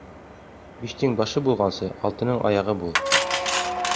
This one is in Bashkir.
Биштең башы булғансы, алтының аяғы бул.